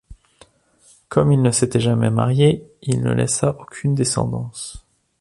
Comme il ne s'était jamais marié, il ne laissa aucune descendance.